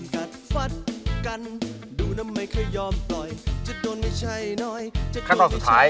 ค่อนข้างที่สุดท้าย